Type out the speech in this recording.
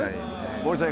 森さん